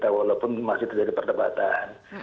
walaupun masih terjadi perdebatan